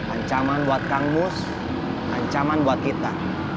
ancaman buat kang mus ancaman buat kita